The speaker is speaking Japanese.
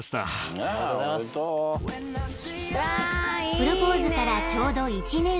［プロポーズからちょうど１年目］